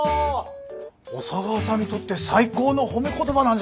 小佐川さんにとって最高の褒め言葉なんじゃないか？